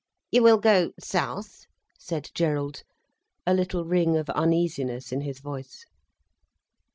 "You will go south?" said Gerald, a little ring of uneasiness in his voice.